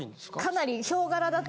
かなり。